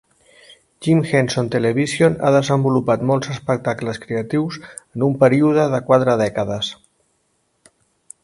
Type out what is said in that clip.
Jim Henson Television ha desenvolupat molts espectacles creatius en un període de quatre dècades.